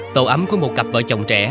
tổ ấm của một cặp vợ chồng trẻ